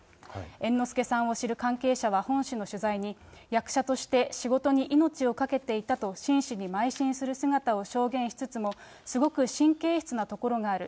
猿之助さんを知る関係者は本紙の取材に、役者として仕事に命をかけていたと、真摯にまい進する姿を証言しつつも、すごく神経質なところがある。